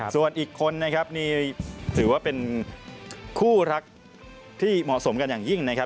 ส่วนอีกคนนะครับนี่ถือว่าเป็นคู่รักที่เหมาะสมกันอย่างยิ่งนะครับ